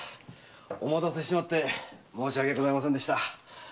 お待たせして申し訳ございませんでした。